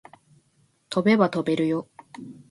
飛べば飛べるよ